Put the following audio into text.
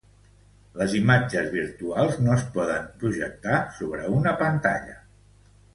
Les imatges virtuals no es poden projectar sobre una pantalla.